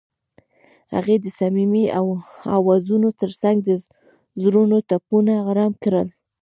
هغې د صمیمي اوازونو ترڅنګ د زړونو ټپونه آرام کړل.